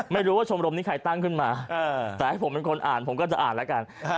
ไม่รู้ว่าชมรมนี้ใครตั้งขึ้นมาแต่ให้ผมเป็นคนอ่านผมก็จะอ่านแล้วกัน